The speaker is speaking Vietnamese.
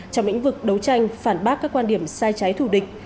trong lĩnh vực đấu tranh phản bác các quan điểm sai trái thù địch